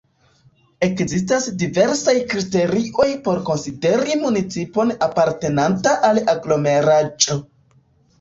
Ekzistas diversaj kriterioj por konsideri municipon apartenanta al aglomeraĵo.